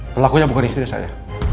pelakunya bukan istrinya saya